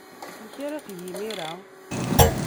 Amek ara teg imir-a?